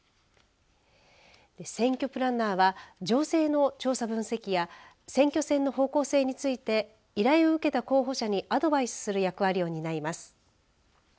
選挙プランナーは情勢の調査分析や選挙戦の方向性について依頼を受けた候補者にアドバイスする役割を担います。